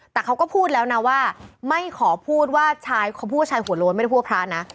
แต่เขาก็พูดแล้วนะว่าไม่ขอพูดว่าชายเขาพูดว่าชายหัวโล้นไม่ได้พูดพระนะ